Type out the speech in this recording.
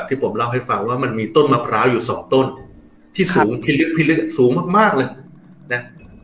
ที่ผมเล่าให้ฟังว่ามันมีต้นมะพร้าวอยู่สองต้นที่สูงพิลึกพิลึกสูงมากมากเลยนะ